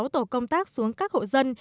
sáu tổ công tác xuống các hộ dân